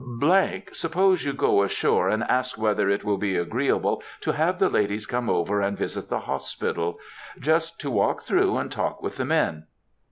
"——, suppose you go ashore and ask whether it will be agreeable to have the ladies come over and visit the hospital,—just to walk through and talk with the men."